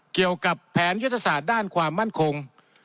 เกี่ยวกับแผนยุทธศาสตร์ด้านความมั่นคง